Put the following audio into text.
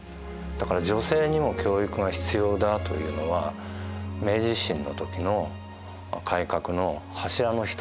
だから女性にも教育が必要だというのは明治維新の時の改革の柱の１つになっている。